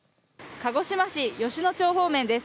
鹿児島市吉野町方面です。